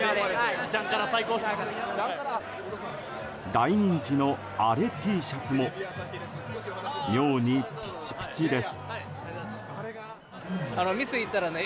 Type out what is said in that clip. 大人気のアレＴシャツも妙にピチピチです。